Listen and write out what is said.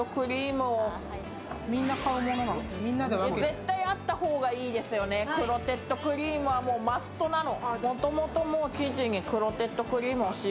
絶対あった方がいいですよね、クロテッドクリームはマストなの。